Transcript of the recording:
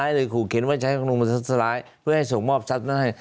หรือขู่เข็นว่าใช้ของลุงมาสัดสาร้ายเพื่อให้ส่งมอบทรัพย์มาให้